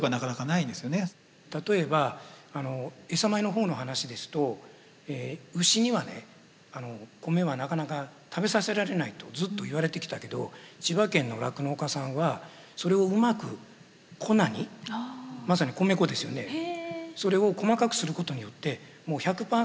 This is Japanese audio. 例えばあのエサ米の方の話ですと「牛にはねコメはなかなか食べさせられない」とずっと言われてきたけど千葉県の酪農家さんはそれをうまく粉にまさに米粉ですよねそれを細かくすることによってもう１００％トウモロコシに置き換えられる。